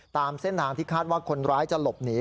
ตามเส้นทางที่คาดว่าคนร้ายจะหลบหนี